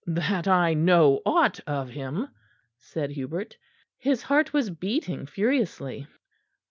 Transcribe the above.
"That I know aught of him," said Hubert. His heart was beating furiously.